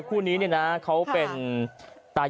แถมมีสรุปอีกต่างหาก